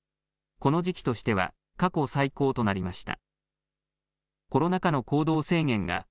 この時期としては過去最高となりました。